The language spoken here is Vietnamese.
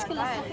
đây là một lý do